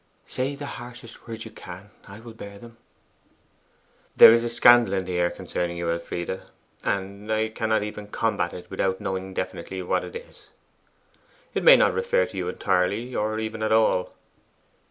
'Say the harshest words you can; I will bear them!' 'There is a scandal in the air concerning you, Elfride; and I cannot even combat it without knowing definitely what it is. It may not refer to you entirely, or even at all.